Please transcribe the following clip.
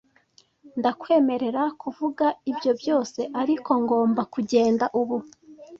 Ndakwemerera kuvuga ibyo byose. Ariko ngomba kugenda ubu. "